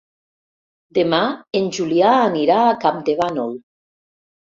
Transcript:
Demà en Julià anirà a Campdevànol.